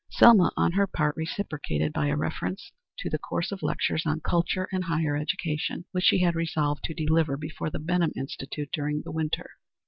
Selma on her part reciprocated by a reference to the course of lectures on "Culture and Higher Education," which she had resolved to deliver before the Benham Institute during the winter.